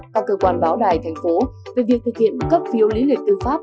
các cơ quan báo đài thành phố về việc thực hiện cấp phiêu lý liệt tư pháp